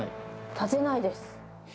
立てないです。